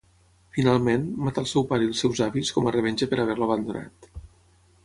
Finalment, mata el seu pare i els seus avis com a revenja per haver-lo abandonat.